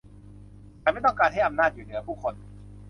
ฉันไม่ต้องการให้อำนาจอยู่เหนือผู้คน